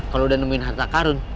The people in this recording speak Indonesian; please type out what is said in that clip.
kalau udah nemuin harta karun